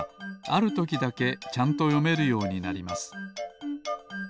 あるときだけちゃんとよめるようになります